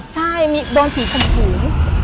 ใช่โดนผีข่มขืน